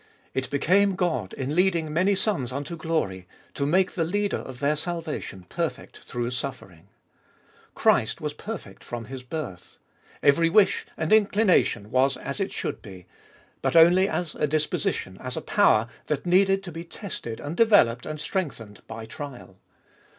It became God, in leading many sons unto glory, to make the Leader of their salvation perfect through suffering. Christ was perfect from His birth ; every wish and fjolfest of 2UI 85 inclination was as it should be ; but only as a disposition, as a power, that needed to be tested and developed and strengthened by trial.